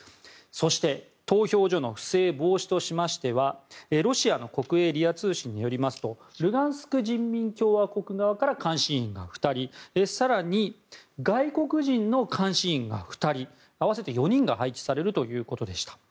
そして投票所の不正防止としましてはロシアの国営ＲＩＡ通信によりますとルガンスク人民共和国側から監視員が２人更に外国人監視員が２人合わせて４人が配置されるということでした。